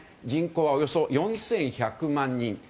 人口はおよそ４１００万人。